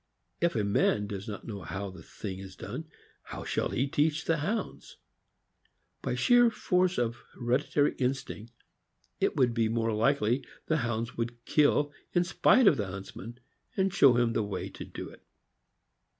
If a man does not know how the thing is done, how shall he teach the Hounds ? By sheer force of hereditary instinct, it would be more likely the Hounds would kill in spite of the huntsman, and show him the way to do it.